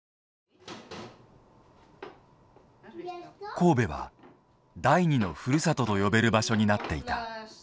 神戸は「第二のふるさと」と呼べる場所になっていた。